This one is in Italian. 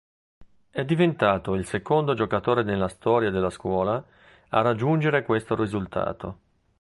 È diventato il secondo giocatore nella storia della scuola a raggiungere questo risultato.